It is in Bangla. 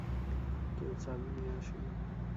কেউ চাবি নিয়ে আসুন।